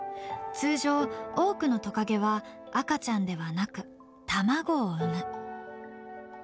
通常多くのトカゲは赤ちゃんではなく卵を産む。